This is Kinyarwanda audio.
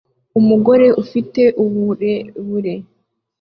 Umugore ufite uburebure